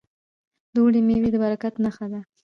د اوړي میوې د برکت نښه ده.